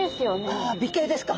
ああ美形ですか。